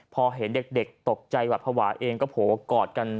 พอเห็นเด็กตกใจหวัดภาวะเองก็โผล่กอดกัน